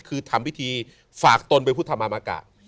คือทำพิธีฝากตนไปพุทธมามากะ